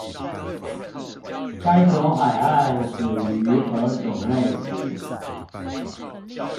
該種海岸屬於何種類型？